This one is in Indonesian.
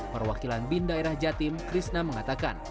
perwakilan bindaerah jatim krisna mengatakan